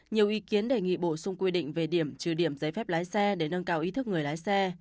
nhiều ý kiến đề nghị bổ sung quy định về điểm trừ điểm giấy phép lái xe để nâng cao ý thức người lái xe